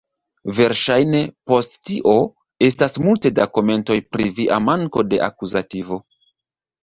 Verŝajne, post tio, estas multe da komentoj pri via manko de akuzativo.